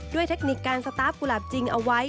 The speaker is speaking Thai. เทคนิคการสตาร์ฟกุหลาบจริงเอาไว้